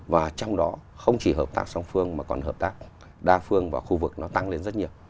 và trong đó không chỉ hợp tác song phương mà còn hợp tác đa phương và khu vực nó tăng lên rất nhiều